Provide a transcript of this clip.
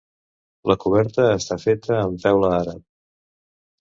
La coberta està feta amb teula àrab.